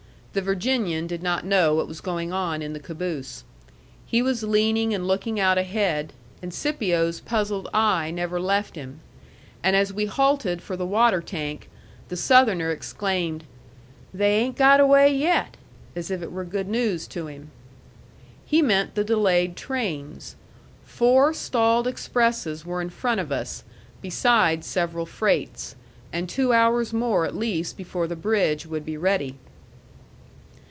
The Virginian did not know what was going on in the caboose. He was leaning and looking out ahead, and Scipio's puzzled eye never left him. And as we halted for the water tank, the Southerner exclaimed, "They 'ain't got away yet!" as if it were good news to him. He meant the delayed trains. Four stalled expresses were in front of us, besides several freights. And two hours more at least before the bridge would be ready.